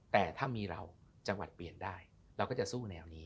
แต่ถ้ามีเราจังหวัดเปลี่ยนได้เราก็จะสู้แนวนี้